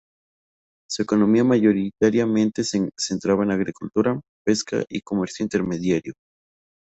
Su economía mayoritariamente se centraba en agricultura, pesca y comercio intermediario.